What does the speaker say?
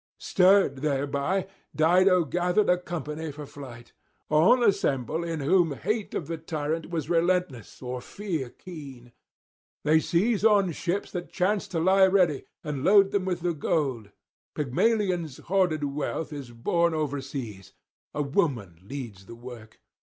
Stirred thereby, Dido gathered a company for flight. All assemble in whom hatred of the tyrant was relentless or fear keen; they seize on ships that chanced to lie ready, and load them with the gold. Pygmalion's hoarded wealth is borne overseas; a woman leads the work.